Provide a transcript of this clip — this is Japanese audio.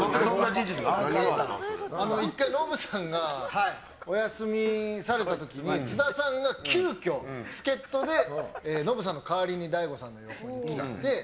１回ノブさんがお休みされた時に津田さんが急きょ、助っ人でノブさんの代わりに大悟さんの横に来て。